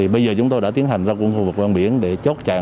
bây giờ chúng tôi đã tiến hành ra khu vực văn biển để chốt chạy